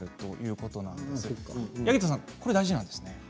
これ大事なんですね。